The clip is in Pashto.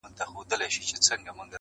انصاف څه سو آسمانه زلزلې دي چي راځي.!